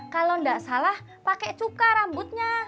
kalau tidak salah pakai cuka rambutnya